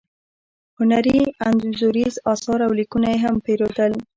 هنري انځوریز اثار او لیکونه یې هم پیرودل.